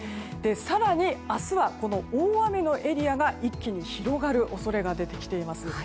更に、明日は大雨のエリアが一気に広がる恐れが出てきています。